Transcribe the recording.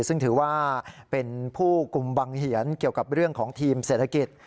ซึ่งถือว่าเป็นผู้กลุ่มบังเหียนเกี่ยวกับเรื่องของทีมเศรษฐกิจ